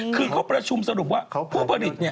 คือเขาประชุมสรุปว่าผู้ผลิต